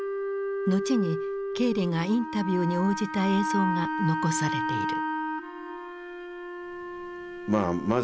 後にケーリがインタビューに応じた映像が残されている。